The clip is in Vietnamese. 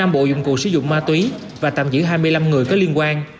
năm bộ dụng cụ sử dụng ma túy và tạm giữ hai mươi năm người có liên quan